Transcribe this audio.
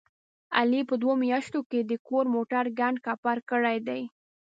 علي په دوه میاشتو کې د کور موټر کنډ کپر کړی دی.